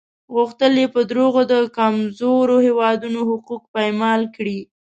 غوښتل یې په دروغو د کمزورو هېوادونو حقوق پایمال کړي.